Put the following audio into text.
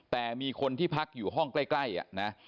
แต่มีคนที่พักอยู่ห้องใกล้นะ